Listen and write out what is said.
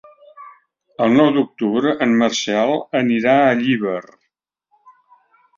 El nou d'octubre en Marcel anirà a Llíber.